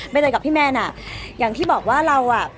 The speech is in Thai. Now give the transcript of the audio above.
เตยกับพี่แมนอ่ะอย่างที่บอกว่าเราอ่ะ